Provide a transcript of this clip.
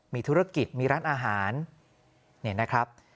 มีธุรกิจมีร้านอาหารเนี่ยนะครับ